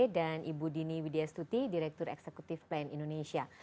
dan ibu dini widya stuti direktur eksekutif pen indonesia